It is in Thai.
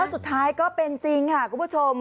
สุดท้ายก็เป็นจริงค่ะคุณผู้ชม